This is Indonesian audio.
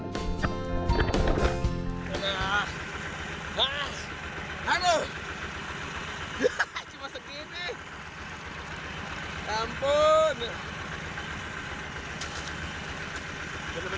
udah mas aduh